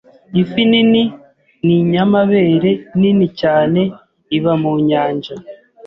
Ifi nini ninyamabere nini cyane iba mu nyanja.